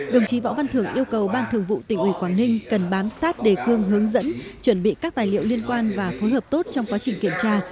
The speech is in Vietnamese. đồng chí võ văn thưởng yêu cầu ban thường vụ tỉnh ủy quảng ninh cần bám sát đề cương hướng dẫn chuẩn bị các tài liệu liên quan và phối hợp tốt trong quá trình kiểm tra